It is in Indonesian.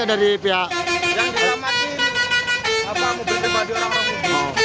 yang diberamati apa mau beritahu di orang lain